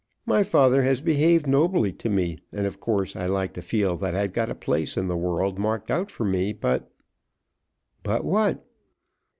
My father has behaved nobly to me, and of course I like to feel that I've got a place in the world marked out for me. But " "But what?"